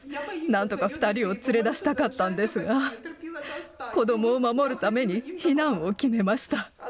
なんとか２人を連れ出したかったんですが、子どもを守るために、避難を決めました。